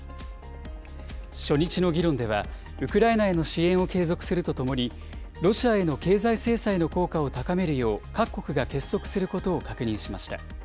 初日の議論では、ウクライナへの支援を継続するとともに、ロシアへの経済制裁の効果を高めるよう、各国が結束することを確認しました。